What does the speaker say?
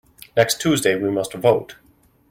Next Tuesday we must vote.